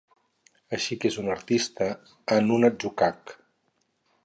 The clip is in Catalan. Així que és un artista en un atzucac.